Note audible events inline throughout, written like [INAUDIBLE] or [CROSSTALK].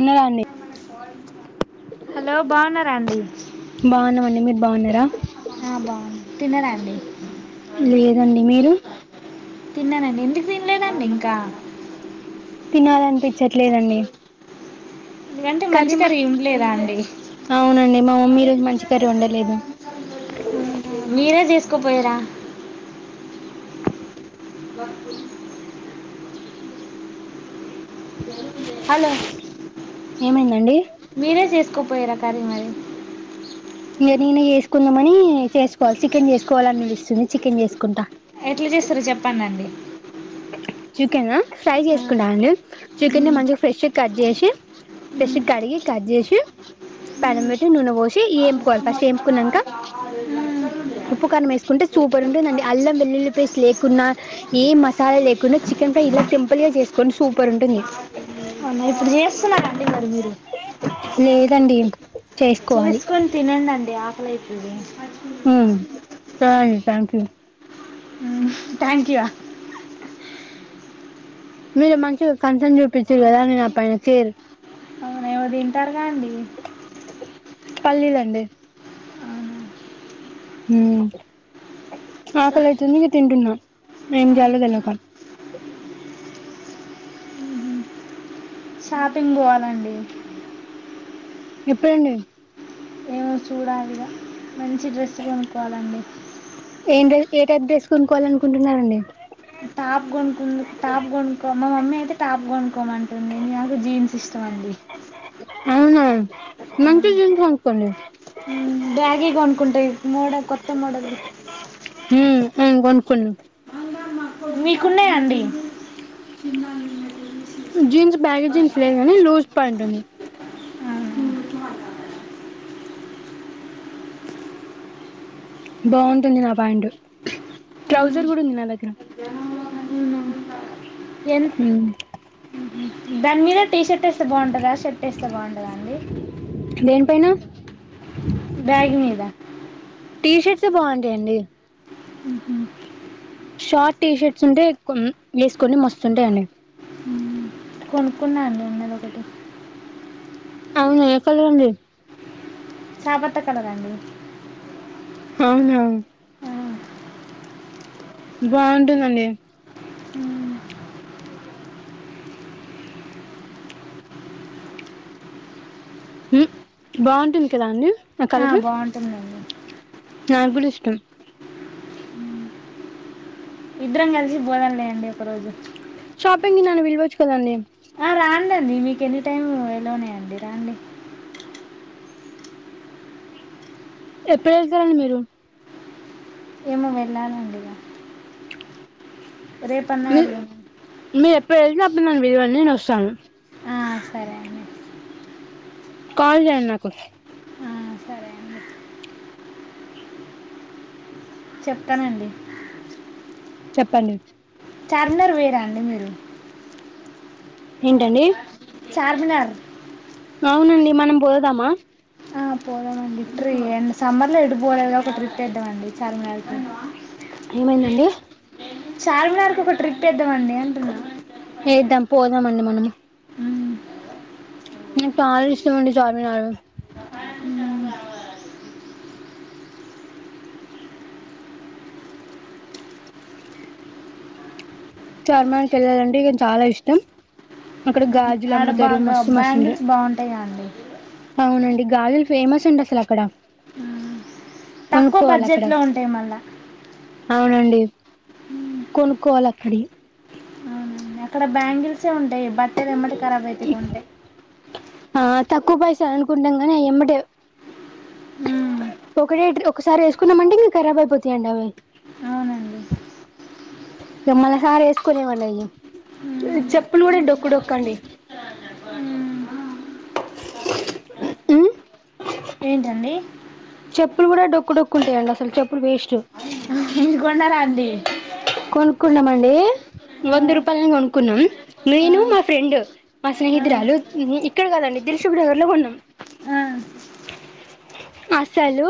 ఉన్నదా అండి హలో బాగున్నారా అండి బాగున్నామండి మీర్ బాగున్నారా? ఆ బాగుంది తిన్నారా అండి? లేదండి మీరు తిన్నానండి ఎందుకు తినలేదండి ఇంకా తినాలనిపిచ్చట్లేదు అండి ఎందుకంటే మంచి కర్రీ వుండ్లేదా అండి అవునండి మా మమ్మీ ఈ రోజు మంచి కర్రీ వండలేదు మీరే చేసుకోపొయ్యిర్ర మస్తు హలో ఏమైందండి మీరే చేస్కో కొ పోయార కర్రీ మరి ఇంగా నేనే చేసుకుందామని చేసుకోవాలి చికెన్ చేసుకోవాల అనిపిస్తుంది చికెన్ చేసుకుంటా ఎట్లా చేస్తారు చెప్పడండి చికెన ఫ్రై చేసుకుంటాండి చికెన్ని మంచిగా ఫ్రెష్గా కట్ చేసి ఫ్రెష్ కడిగి కట్ చేసి పెనం పెట్టి నూనె పోసి ఏం మ ఉప్పు కారం వేసుకుంటే సూపర్ ఉంటుందండి అల్లం వెల్లుల్లి పేస్ట్ లేకుంన్నా ఏ మసాలా లేకుండా చికెన్ ఇలా సింపుల్ గా చేస్కోండి సూపర్ ఉంటుంది అవునా ఇప్పుడు చేస్తున్నారండి మరి మీరు లేదండి చేసుకోవాలి చేసుకొని తిన్నండండి ఆకలైతది ఫైన్ థాంక్ యు థాంఖ్య మీరు మంచిగా కన్సన్ చూపించరు కదా నేను ఆ పైన చేరు అవునా ఏమో తింటారుగా అండి పల్లీలండి హమ్ అవునా అక్కలైతుంది తింటున్నా ఏం జేయ్యాలోతేలిక షాపింగ్ పోవాలండి ఎప్పుడండి ఏమో చూడాలిగా మంచి డ్రెస్ కొనుక్కోవాలండి ఏంటది ఏ టైప్ డ్రస్ కొనుక్కవాలి అనుకుంటున్నారండి టాప్ కొనుకు టాప్ కొనుకో మా మమ్మీ అయితే టాప్ కొను కొనుకోమంటుంది నాకు జీన్స్ ఇష్టమండి అవునా మంచి జీన్స్ కొన్నుకోండి బ్యాగీ కొనుకుంటా మోడ కొత్త మోడలు హా కొనుకోండి మీకున్నాయండి జీన్స్ బ్యాగీ జీన్స్ లేదు కానీ లూజ్ ప్యాంటుంది బాగుంటుంది నా ప్యాంటు ట్రోజర్ కూడా ఉంది నా దగ్గర ఎంత్ దాని మీద టీ షర్ట్ వేస్తే బాగుంటుందా షర్ట్ వేస్తే బాగుంటుందా అండి దేనిపైన బ్యాగీ మీద టీ షర్ట్స్ బాగుంటాయిండి షార్ట్ టీ షర్ట్స్ ఉంటే వేసుకొండి మస్తుంటాయండి కొనుక్కున్నాండి ఉన్నది ఒకటి అవునా ఎ కలరండి చాపత్త కలరాండి అవునా బొంటుందండి మ్, బొంటుంది కదా అండి ఆ బొంటుందండి నాకూడ ఇష్టం ఇద్దరం కలిసి పోదాంలే అండి ఒక రోజు షాపింగ్కి నన్ను పిలవచ్చు కదండి. రండండి మీకు ఎనీ టైం ఎలోనేయండి రండి. ఎప్పుడు వెళ్తారండి మీరు ఏమో వెళ్లాలండి ఇగ రే పన్న మీ ఎల్లుండన్న మీరు వెళ్లినప్పుడు నన్ను పిలవండి నేను వస్తాను ఆ సరే అండి. కాల్ జేయండి నాకు ఆ, సరే అండి చెప్తానండి చెప్పండి చార్మినార్ పోయిరా అండి మీరు ఏంటండి చార్మినర్ అవునండి మనం పోదామా ఆ పోదామండి ఇ ట్రీ సమ్మర్ లో ఎటుపోలేదు కాబట్టి ఒక ట్రిప్ ఏద్దామండి చార్మినార్ కి ఏమైందండి చార్మినార్కి ఒక ట్రిప్ ఏద్దామండి వేద్దాం పోదామండి మనము మ్మ్ నాకు చాలా ఇష్టమండి చార్మినాలు చార్మినార్ కెళ్ళాలంటే ఇగ చాలా ఇష్టం అక్కడ గాజులు ఆడ అమ్ముతారు బాగా మస్తు మస్తుంట బ్యాంగిల్స్ ఉంటాయి బాగుంటాయి కదండి అవును గాజులు ఫేమస్ అండి అసలు అక్కడ మ్మ్ తక్కువ కొనుక్కోవాలి అక్కడ బడ్జెట్లో ఉంటాయి మళ్ళా అవునండి కొనుక్కోవాలి అక్కడి అవునండి అక్కడ బ్యాంగిల్సే ఉంటాయి బట్టలు ఎమ్మటె ఖరాబ్యతాయ్ కొంటే ఆ తక్కువ పైసలు అనుకుంటాం కానీ ఆయి ఎమ్మటే మ్మ్ ఒకటే ఒకసారి వేసుకున్నామంటే ఇగ ఖరాబ్ అయిపోతాయండి అవి అవునండి ఇక మనసార వేసుకోలేము అండి అవి మ్మ్ చెప్పులు కూడా డొక్కు డొక్కండి మ్మ్ ఉ ఏంటండి చెప్పులు కూడా డొక్కు డొక్కు ఉంటాయండి అసలు చెప్పులు వేస్ట్ అ కొనుక్కున్నాం అండి వంద రూపాయలని కొనుక్కున్నాం ఆ, నేను మా ఫ్రెండ్ మ ఆ, స్నేహితురాలు ఇక్కడ కదండి దిల్షుకు నగర్ లో కొన్నాం ఆ అసలు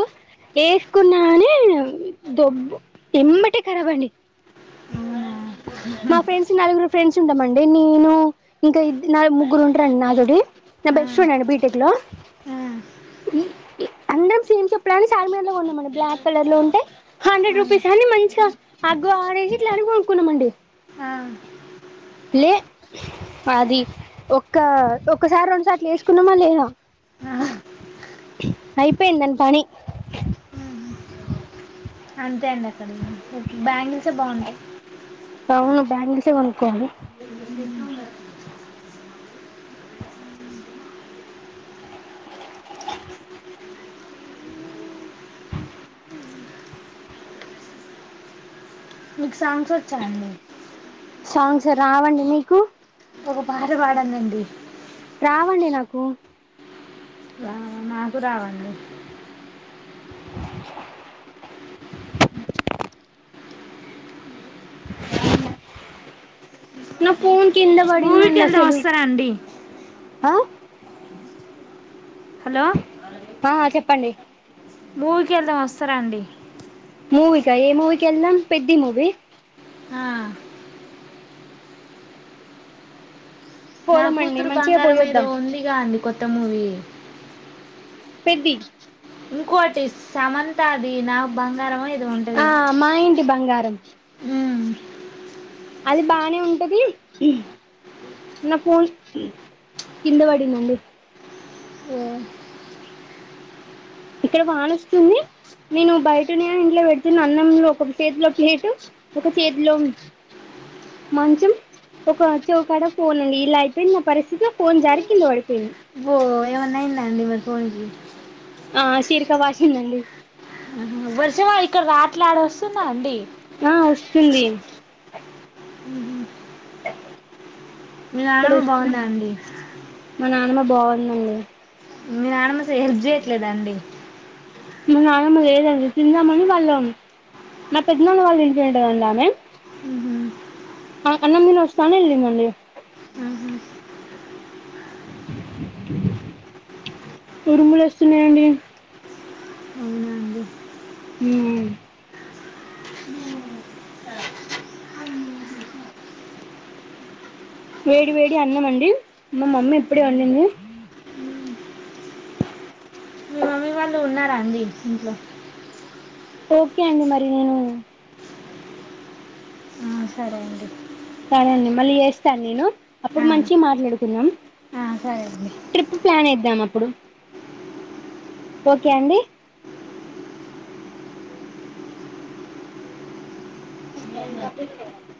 వేసుకున్న గాని దొబ్బు ఎంబటె కరాబ్ అండి అవున మా ఫ్రెండ్స్ నలుగురు ఫ్రెండ్స్ ఉంటామండి నేను ఇంకా ముగ్గురు ఉంటారండి నాతోటి నా ఆ, బెస్ట్ ఫ్రెండ్ అండి బిటెక్ లో ఆ, ఈ అందరం సేమ్ చెప్పులని చార్మినార్లో కోన్నామండి బ్లాక్ కలర్ లో ఉంటే హండ్రెడ్ రూపీస్ అని మంచిగా అగ్గు ఆడేసి ఇట్లా అని కొనుకున్నామండి. ఆ, లే అది ఒక్క ఒక్కసారి రెండుసార్లు వేసుకున్నామా లేదా ఆ అయిపోయింది దాని పని అంతే అండి అక్కడి బ్యాంగల్సే బాగుంటాయి ఏమో బ్యాంగల్సే కొనుక్కోవాలి మీకు సాంగ్స్ వచ్చా అండి సాంగ్స్ రావండి మీకు ఒక పాట పాడండి అండి రావండి నాకు రా నాకు రావండి రాలే నా ఫోన్ కింద పడింది మూవీకి అండి వెళ్దాం అసలు వస్తారా అండి ఆ హలో ఆ చెప్పండి మూవీకి వెళ్దాం వస్తారా అండి మూవీ కా ఏ మూవకి ఎలా పెద్ది మూవి ఆ, నా పోదామండి కూతురు మంచిగా బంగారం ఏదో పోయొద్దాం ఉందిగా అండి కొత్త మూవీ పెద్ది ఇంకోటి సమంత ది నా బంగారం ఏ ఆ మా ఇంటి బంగారం ఉమ్, అది బానే ఉంటది ఉ నా ఫోన్ కింద పడింది ఉండు ఓ ఇక్కడ వాన వస్తుంది నేను బయటనే ఇంట్లో పెడుతున్న అన్నంలో ఒక చేతిలో ప్లేటు ఒక చేతిలో [INAUDIBLE] మంచం ఒక చెవి కాడ ఫోన్ ఉంది ఇలా అయిపోయింది నా పరిస్థితి ఫోన్ జారికింద పడిపోయింది ఓ ఏమన్నా అయిందా అండి మరి ఫోన్ కి ఆ శీరికా వాశింది అండి వర్షమా ఇక్కడ రావట్లే ఆడ వస్తుంద అండి తుంది ఆఓహా మీ నానమ్మ బాగుందా అండి మా నానమ్మ బాగుంది అండి మీ నానమ్మ సేప్ చేయట్లేద అండి నానమ్మ లేదండి తిందామ అని వాళ్ళం నా పెద్దనాన్న వాళ్ళంటికి పోయింటది అండి ఆమె మ్హూ. ఆ అన్నం తినివస్తానని వెళ్ళింది అండి [INAUDIBLE] ఉరుములు వస్తున్నాయి అండీ అవునా అండి ఊ వేడి వేడి అన్నం అండి మా మమ్మీ ఇప్పుడే వండింది మీ మమ్మీ వాళ్ళు ఉన్నారా అండి ఇంట్లో ఓకే అండి మరి నేను ఆ, సరే అండి సరే అండి మళ్ళీ చేస్తాను నేను అప్పుడు ఆ, మంచి మాట్లాడుకుందం ఆ, సరే ట్రిప్ ప్లాన్ ఎద్దాం అప్పుడు ఓకే అండి అండి తప్పించుకున్నాం